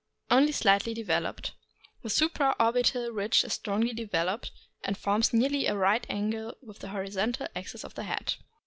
— Only slightly developed. The supra orbital ridge is strongly developed, and forms nearly a right angle with the horizontal axis of the head.